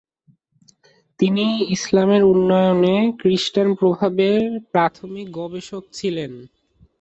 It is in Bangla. তিনি 'ইসলামের উন্নয়নে খ্রিস্টান প্রভাবের' প্রাথমিক গবেষক ছিলেন।